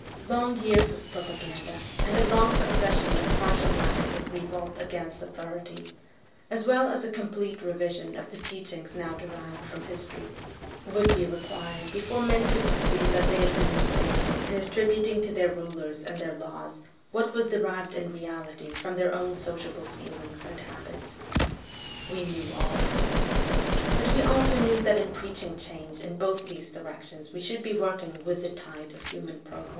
Long years of propaganda and a long succession of partial acts of revolt against authority, as well as a complete revision of the teachings now derived from history, would be required before men could perceive that they had been mistaken in attributing to their rulers and their laws what was derived in reality from their own sociable feelings and habits. We knew all that. But we also knew that in preaching change in both these directions we should be working with the tide of human progress.